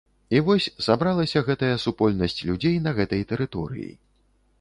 І вось сабралася гэтая супольнасць людзей на гэтай тэрыторыі.